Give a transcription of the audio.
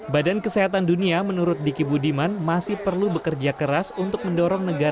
badan kesehatan dunia menurut diki budiman masih perlu bekerja keras untuk mendorong negara